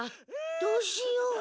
どうしよう。